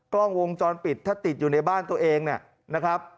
กล้องวงจรปิดถ้าติดอยู่ในบ้านตัวเองเนี่ยนะครับ